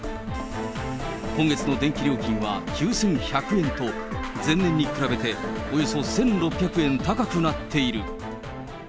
今月の電気料金は９１００円と、前年に比べておよそ１６００円高くなっている。